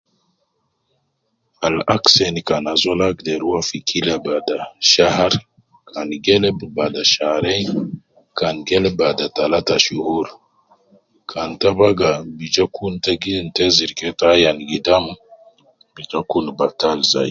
Al aksen kan azol agder ruwa fi kila bada shahar, kan geleb bada shahrein, kan geleb bada talata shuhur,k an tabaga bi ja kun ta gi intezir keeta ayan gidam bi ja kun batal.